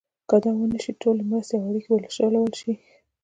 که دا ونه شي ټولې مرستې او اړیکې وشلول شي.